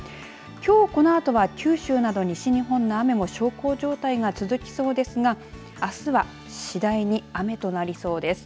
きょうこのあとは九州など西日本の雨も小康状態が続きそうですがあすは次第に雨となりそうです。